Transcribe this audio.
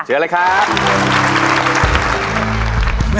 เชิญเลยครับ